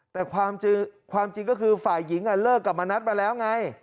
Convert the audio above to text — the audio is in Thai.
แต่ความจริงก็คือฝ่ายหญิงเลิกกับมณัฐมาแล้วไง